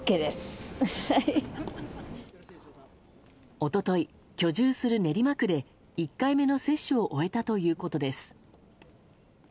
一昨日、居住する練馬区で１回目の接種を終えたということです。